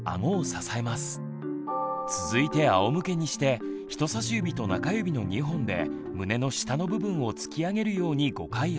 続いてあおむけにして人さし指と中指の２本で胸の下の部分を突き上げるように５回圧迫。